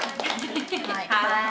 はい。